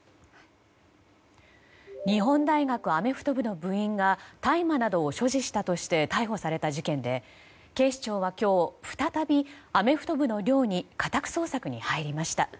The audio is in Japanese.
日本大学アメフト部の部員が大麻などを所持したとして逮捕された事件で警視庁は今日再び、アメフト部の寮に家宅捜索に入りました。